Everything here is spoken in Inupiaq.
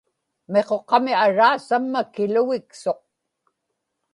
miquqami araa samma kilugiksuq